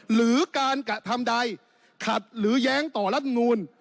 หรือการกระทำใดขัดหรือแย้งต่อรัฐมนูล